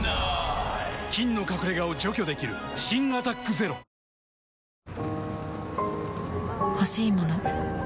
菌の隠れ家を除去できる新「アタックＺＥＲＯ」「翠ジンソーダ」ね！